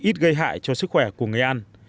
ít gây hại cho sức khỏe của người ăn